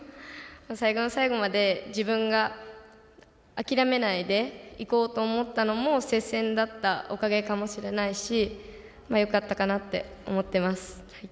最後の最後まで自分が諦めないでいこうと思ったのも接戦だったおかげかもしれないしよかったかなって思ってます。